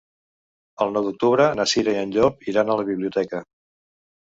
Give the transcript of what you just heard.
El nou d'octubre na Cira i en Llop iran a la biblioteca.